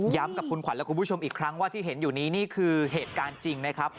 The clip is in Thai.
กับคุณขวัญและคุณผู้ชมอีกครั้งว่าที่เห็นอยู่นี้นี่คือเหตุการณ์จริงนะครับ